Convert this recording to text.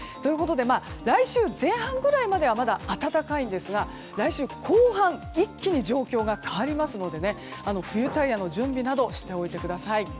来週前半ぐらいまではまだ暖かいんですが来週後半一気に状況が変わりますので冬タイヤの準備などをしておいてください。